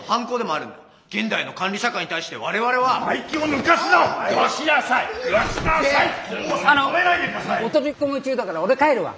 あのお取り込み中だから俺帰るわ。